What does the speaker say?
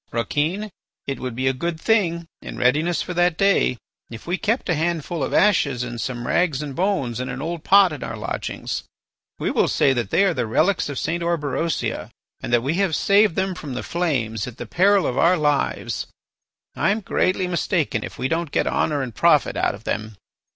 Rouquin, it would be a good thing, in readiness for that day, if we kept a handful of ashes and some rags and bones in an old pot in our lodgings. We will say that they are the relics of St. Orberosia and that we have saved them from the flames at the peril of our lives. I am greatly mistaken if we don't get honour and profit out of them.